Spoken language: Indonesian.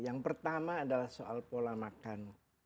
yang pertama adalah soal pola makan